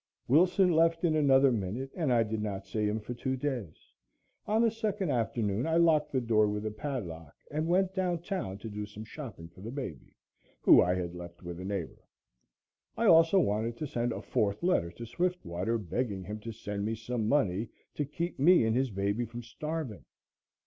Wilson left in another minute and I did not see him for two days. On the second afternoon I locked the door with a padlock and went down town to do some shopping for the baby, who I had left with a neighbor. I also wanted to send a fourth letter to Swiftwater, begging him to send me some money to keep me and his baby from starving.